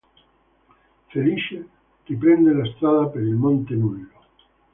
Felice, riprende la strada per il monte Nullo.